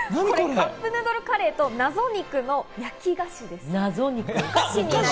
カップヌードルカレーと謎肉の焼き菓子です。